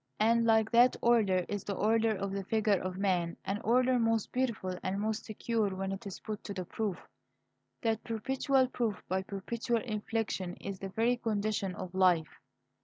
And like that order is the order of the figure of man, an order most beautiful and most secure when it is put to the proof. That perpetual proof by perpetual inflection is the very condition of life.